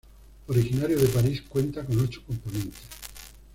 Originario de París, cuenta con ocho componentes.